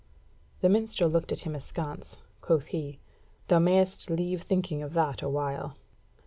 The minstrel looked at him askance; quoth he: "Thou mayst leave thinking of that awhile."